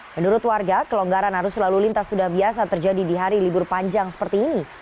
menurut warga kelonggaran arus lalu lintas sudah biasa terjadi di hari libur panjang seperti ini